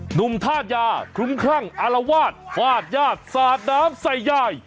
หนุ่มธาตุยาคลุ้มคลั่งอารวาสฟาดญาติสาดน้ำใส่ยาย